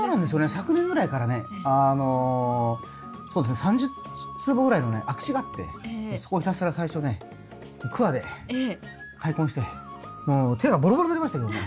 昨年ぐらいからねあのそうですね３０坪ぐらいのね空き地があってそこをひたすら最初ねくわで開墾してもう手がボロボロになりましたけどね。